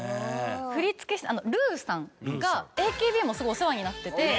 振付師のＲｕｕさんがＡＫＢもすごいお世話になってて。